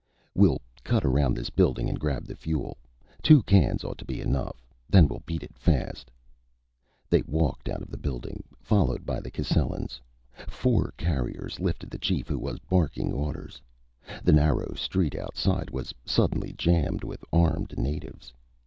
"We'll cut around this building and grab the fuel. Two cans ought to be enough. Then we'll beat it fast." They walked out the building, followed by the Cascellans. Four carriers lifted the chief, who was barking orders. The narrow street outside was suddenly jammed with armed natives.